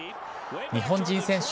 日本人選手